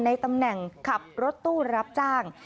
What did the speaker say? ในตำแหน่งขับรถตู้รับจ้าง